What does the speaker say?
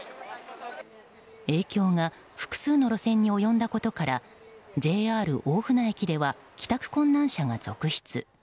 影響が複数の路線に及んだことからＪＲ大船駅では帰宅困難者が続出。